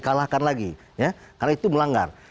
dikalahkan lagi karena itu melanggar